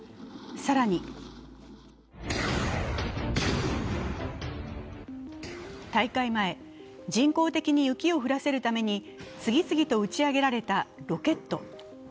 更に、大会前、人工的に雪を降らせるために次々と打ち上げられたロケット。